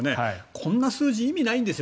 こんな数字意味がないんですよ。